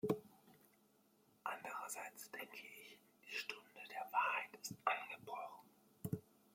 Andererseits denke ich, die Stunde der Wahrheit ist angebrochen.